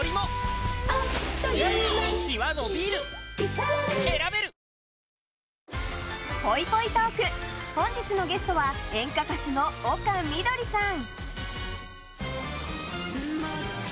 フラミンゴぽいぽいトーク本日のゲストは演歌歌手の丘みどりさん。